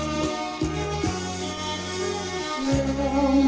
แผนที่๓ที่คุณนุ้ยเลือกออกมานะครับ